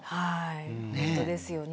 本当ですよね。